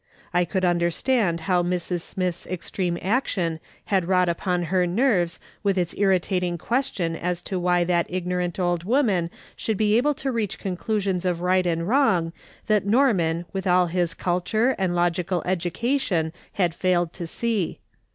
I could understand how Mrs. Smith's extreme action had wrought upon her nerves with its irritating question as to why that ignorant old woman should be able to reach conclusions of right and wrong that Norman with all his culture and logical education had failed to see.